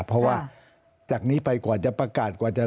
เพราะว่าจากนี้ไปกว่าจะประกาศกว่าจะ